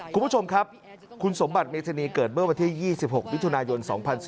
คุณผู้ชมครับคุณสมบัติเมธานีเกิดเมื่อวันที่๒๖มิถุนายน๒๔